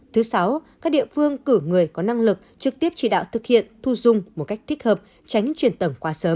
thứ sáu các địa phương cử người có năng lực trực tiếp chỉ đạo thực hiện thu dung một cách thích hợp tránh truyền tẩm quá sớm